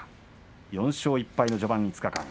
４勝１敗の序盤５日間。